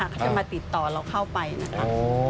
เขาจะมาติดต่อเราเข้าไปนะคะ